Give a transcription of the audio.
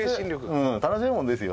うん楽しいもんですよ。